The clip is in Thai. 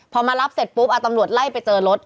พอมารับเสร็จปุ๊บตำรวจไล่ไปเจอรถ